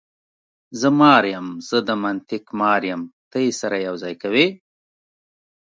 زه مار یم، زه د منطق مار یم، ته یې سره یو ځای کوې.